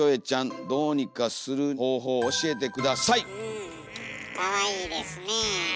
うんかわいいですね。